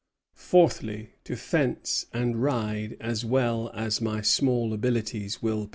Fourthly, to fence and ride as well as my small abilities will permit."